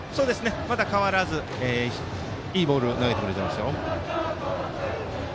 まだ変わらずいいボールを投げてくれています。